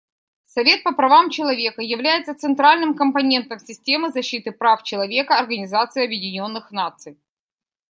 Совет по правам человека является центральным компонентом системы защиты прав человека Организации Объединенных Наций.